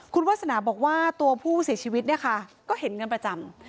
คุณวาสนาบอกว่าตัวผู้เสียชีวิตเนี่ยค่ะก็เห็นกันประจำ